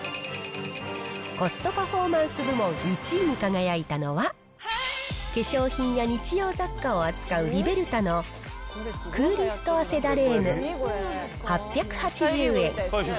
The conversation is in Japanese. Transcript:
コストパフォーマンス部門１位に輝いたのは、化粧品や日用雑貨を扱うリベルタの、クーリストアセダレーヌ８８０円。